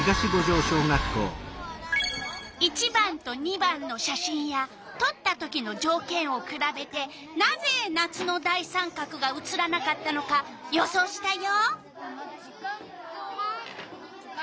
１番と２番の写真やとった時のじょうけんをくらべてなぜ夏の大三角が写らなかったのか予想したよ。